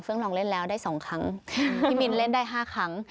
เพิ่งลองเล่นแล้วได้สองครั้งพี่มิ้นเล่นได้ห้าครั้ง